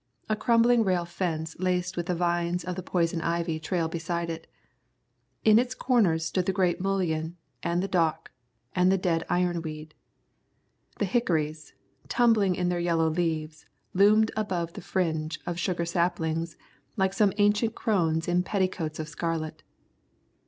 A crumbling rail fence laced with the vines of the poison ivy trailed beside it. In its corners stood the great mullein, and the dock, and the dead iron weed. The hickories, trembling in their yellow leaves, loomed above the fringe of sugar saplings like some ancient crones in petticoats of scarlet.